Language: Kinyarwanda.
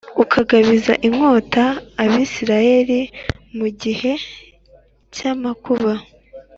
ukagabiza inkota Abisirayeli mu gihe cy amakuba